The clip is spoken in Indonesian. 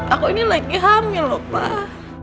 aku ini lagi hamil lho pak